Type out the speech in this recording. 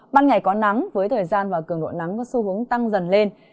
ban ngày có nắng với thời gian và cường độ nắng có xu hướng tăng dần lên